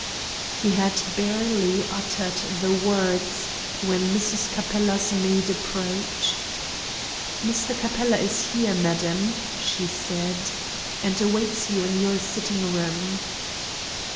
He had barely uttered the words when Mrs. Capella's maid approached. "Mr. Capella is here, madam," she said "and awaits you in your sitting room."